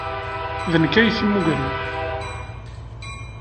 D nekk ay t-yemmugren.